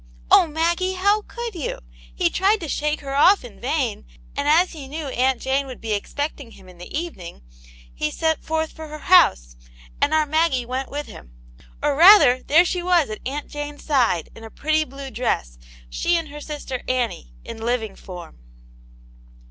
Oh, Maggie, how could yotf;? He tried to shake her off in vain, and as he Jcnel&yr Aunt Jane would be expecting him in the eveniog, he set forth for her house, and our Maggie went with him. Or rather, there she was at Aunt Jane*s side, in a pretty blue dress ; she and her sister Annie, in living form.